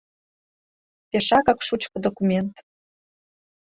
— Пешакак шучко документ!..